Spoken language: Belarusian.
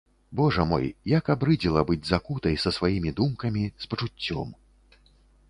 Божа мой, як абрыдзела быць закутай са сваімі думкамі, з пачуццём.